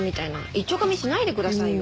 いっちょがみしないでくださいよ。